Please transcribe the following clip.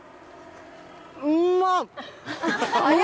うまっ！